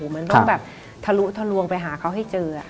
มันต้องแบบทะลุทะลวงไปหาเขาให้เจอ